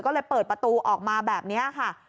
ก็เลยเปิดประตูออกมาแบบนี้ค่ะ